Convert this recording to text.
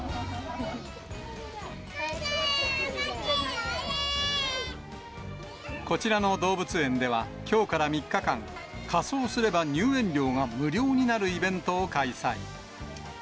カンガルー、こっちにおいでこちらの動物園ではきょうから３日間、仮装すれば入園料が無料になるイベントを開催。